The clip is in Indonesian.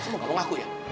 kamu gak mau ngaku ya